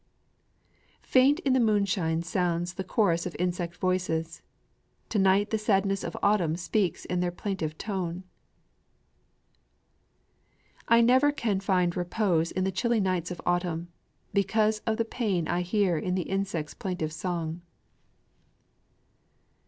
Faint in the moonshine sounds the chorus of insect voices: To night the sadness of autumn speaks in their plaintive tone. I never can find repose in the chilly nights of autumn, Because of the pain I hear in the insects' plaintive song.